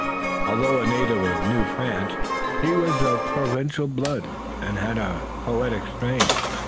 Although a native of New France he was of Provençal blood, and he had a poetic strain.